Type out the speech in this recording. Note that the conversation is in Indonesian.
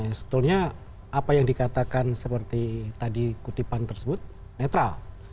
sebetulnya apa yang dikatakan seperti tadi kutipan tersebut netral